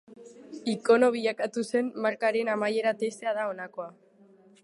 Ikono bilakatu zen markaren amaiera tristea da honakoa.